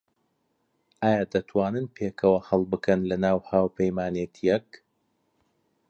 ئایا دەتوانن پێکەوە هەڵبکەن لەناو هاوپەیمانێتییەک؟